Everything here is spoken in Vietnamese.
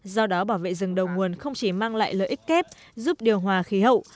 do đó bảo vệ rừng đầu nguồn không chỉ mang lại lợi ích kép giúp điều hòa khí hậu